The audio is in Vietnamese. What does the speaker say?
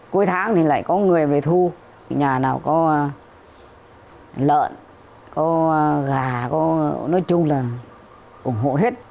cuối tháng thì lại có người về thu nhà nào có lợn có gà có nói chung là ủng hộ hết